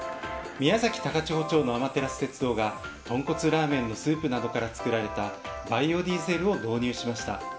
宮崎・高千穂町のあまてらす鉄道が豚骨ラーメンのスープなどから作られたバイオディーゼルを導入しました。